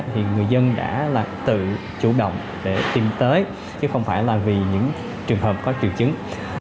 thì người dân đã là tự chủ động để tìm tới chứ không phải là vì những trường hợp có triệu chứng